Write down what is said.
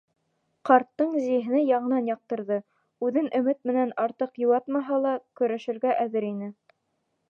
Ҡарттың зиһене яңынан яҡтырҙы, үҙен өмөт менән артыҡ йыуатмаһа ла, көрәшергә әҙер ине.